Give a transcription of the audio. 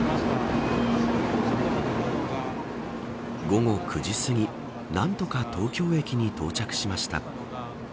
午後９時すぎ何とか東京駅に到着しました。